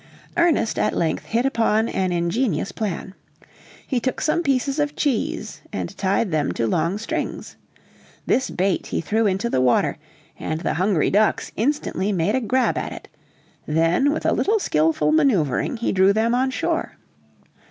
Ernest at length hit upon an ingenious plan. He took some pieces of cheese, and tied them to long strings. This bait he threw into the water, and the hungry ducks instantly made a grab at it; then with a little skillful maneuvering he drew them on shore.